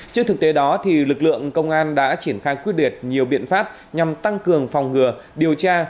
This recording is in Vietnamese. trước thực tế đó lực lượng công an đã triển khai quyết liệt nhiều biện pháp nhằm tăng cường phòng ngừa điều tra